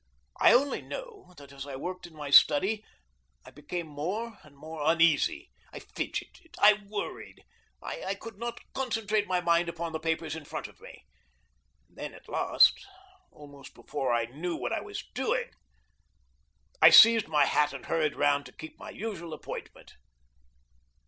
I only know that as I worked in my study I became more and more uneasy. I fidgeted. I worried. I could not concentrate my mind upon the papers in front of me. And then, at last, almost before I knew what I was doing, I seized my hat and hurried round to keep my usual appointment.